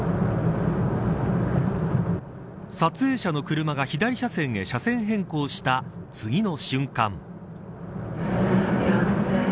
撮影者の車が左車線へ車線変更した次の瞬間。